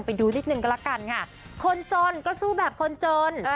ไปดูนิดนึงก็ละกันค่ะคนจนก็สู้แบบคนจน